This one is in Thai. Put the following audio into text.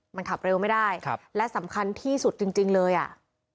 มันขับเร็วไม่ได้และสำคัญที่สุดจริงเลยอะ